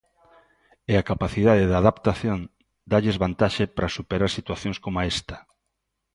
E a capacidade de adaptación dálles vantaxe para superar situacións coma esta.